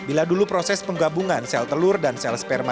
bila dulu proses penggabungan sel telur dan sel sperma